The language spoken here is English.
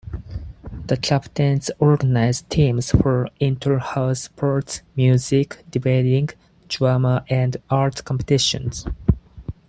The captains organise teams for inter-house sports, music, debating, drama and art competitions.